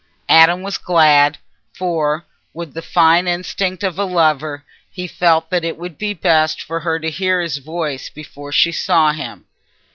Adam was glad, for, with the fine instinct of a lover, he felt that it would be best for her to hear his voice before she saw him.